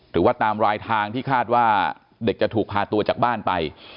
หรือว่าตามรายทางที่คาดว่าเด็กจะถูกพาตัวจากบ้านไป